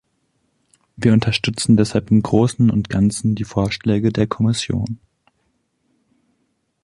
Wir unterstützen deshalb im Großen und Ganzen die Vorschläge der Kommission.